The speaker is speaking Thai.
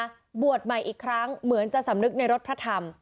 อัฒวินศรีรัสตร์ใหม่อีกครั้งเหมือนจะสำนึกในรถพระธรรม